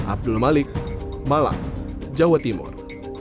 abdul malik malang jawa timur